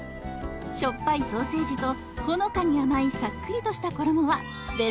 しょっぱいソーセージとほのかに甘いさっくりとした衣はベストマッチ！